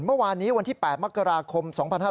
เมื่อวานนี้วันที่๘มกราคม๒๕๕๙